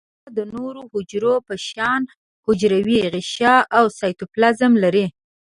نیورونونه د نورو حجرو په شان حجروي غشاء او سایتوپلازم لري.